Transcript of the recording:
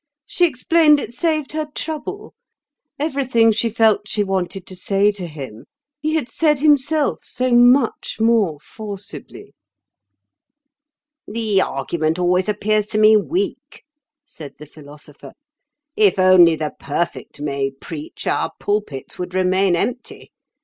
She explained it saved her trouble. Everything she felt she wanted to say to him he had said himself so much more forcibly." "The argument always appears to me weak," said the Philosopher. "If only the perfect may preach, our pulpits would remain empty.